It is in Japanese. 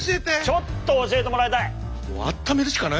ちょっと教えてもらいたい！